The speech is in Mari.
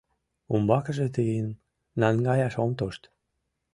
— Умбакыже тыйым наҥгаяш ом тошт.